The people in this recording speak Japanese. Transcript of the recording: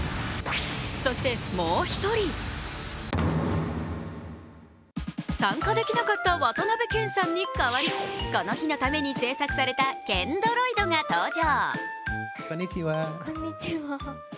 そしてもう１人参加できなかった渡辺謙さんに代わりこの日のために制作された謙ドロイドが登場。